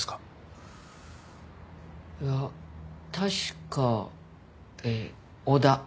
いや確かえー小田。